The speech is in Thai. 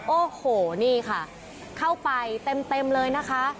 โอ้โหนี่ค่ะเข้าไปเต็มเลยนะคะ